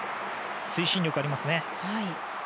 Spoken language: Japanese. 推進力ありますね。